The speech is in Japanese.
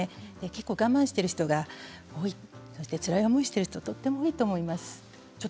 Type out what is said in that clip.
結構、我慢している人が多いそして、つらい思いをしてる人が本当に多いと思います。